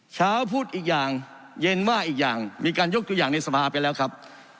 เช้าพูดอีกอย่างเย็นว่าอีกอย่างมีการยกตัวอย่างในสภาไปแล้วครับ